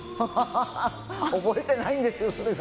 覚えてないんですよ、それが。